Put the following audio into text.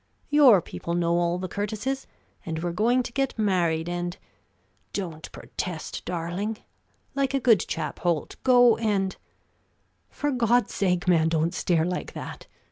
Your people know all the Curtises, and we're going to get married, and don't protest, darling! like a good chap, Holt, go and for God's sake, man, don't stare like that!